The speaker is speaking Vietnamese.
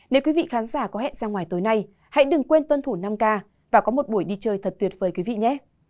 nếu quý vị khán giả có hẹn ra ngoài tối nay hãy đừng quên tuân thủ năm k và có một buổi đi chơi thật tuyệt vời quý vị nhé